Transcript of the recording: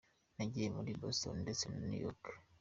Nagiye muri Boston ndetse na New York.